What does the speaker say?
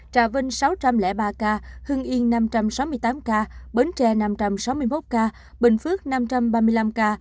trà vinh sáu trăm linh ba ca hưng yên năm trăm sáu mươi tám ca bến tre năm trăm sáu mươi một ca bình phước năm trăm ba mươi năm ca